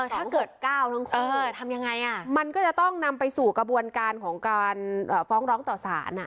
ถ้าเกิดก้าวทั้งคู่ทำยังไงมันก็จะต้องนำไปสู่กระบวนการของการฟ้องร้องต่อสาร